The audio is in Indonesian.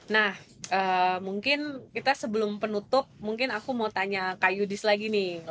nah mungkin kita sebelum penutup mungkin aku mau tanya kak yudis lagi nih